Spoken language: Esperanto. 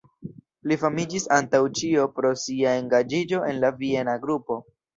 Li famiĝis antaŭ ĉio pro sia engaĝiĝo en la Viena Grupo.